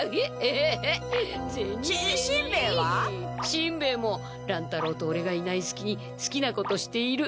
しんべヱも乱太郎とオレがいないすきにすきなことしている。